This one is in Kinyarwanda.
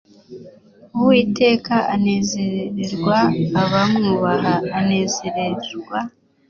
uwiteka anezererwa abamwubaha anezererwa